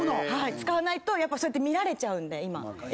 使わないとそうやって見られちゃうんで今。